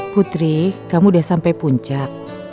putri kamu udah sampai puncak